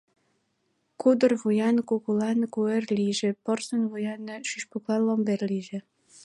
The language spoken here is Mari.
Кудыр вуян кукулан куэр лийже, Порсын вуян шӱшпыклан ломбер лийже.